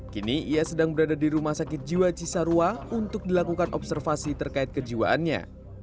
kini ia sedang berada di rumah sakit jiwa cisarua untuk dilakukan observasi terkait kejiwaannya